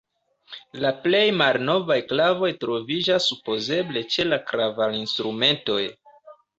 La plej malnovaj klavoj troviĝas supozeble ĉe la klavarinstrumentoj.